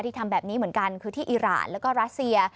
ทำแบบนี้เหมือนกันคือที่อิราณแล้วก็รัสเซีย